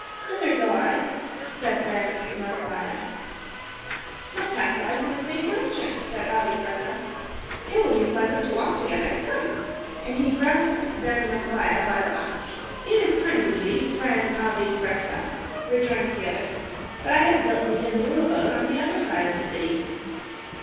"Thither go I," said Ben Maslia. "My path lies in the same direction," said Abi Fressah. "It will be pleasant to walk together. Come," and he grasped Ben Maslia by the arm. "It is kind of thee, friend Abi Fressah," rejoined the other, "but I have built me a new abode on the other side of the city."